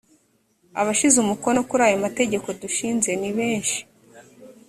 abashyize umukono kuri aya mategeko dushinze nibenshi.